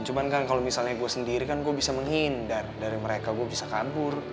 cuman kan kalau misalnya gue sendiri kan gue bisa menghindar dari mereka gue bisa kabur